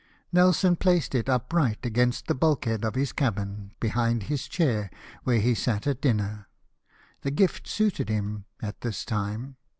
Nelson placed it upright, against the bulk head of his cabin, behind his chair where he sat at dinner. The gift suited him at this time.